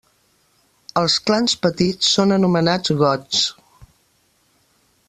Els clans petits són anomenats gots.